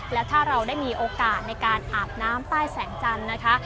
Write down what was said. แล้วถ้าเราได้มีโอกาสในการอาบน้ำใต้แสงจันทร์นะคะ